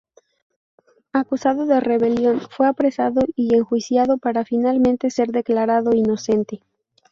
Acusado de rebelión, fue apresado y enjuiciado, para finalmente ser declarado inocente.